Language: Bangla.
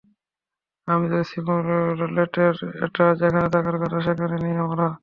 আমি তো সিমুলেটরে এটা - যেখানে থাকার কথা সেখানে নেই আমরা!